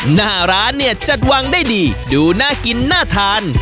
หน้าร้านเนี่ยจัดวางได้ดีดูน่ากินน่าทาน